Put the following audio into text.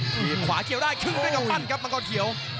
ยืนขวาเขียวได้ครึ่งด้วยกำปั้นครับมังกรเขียว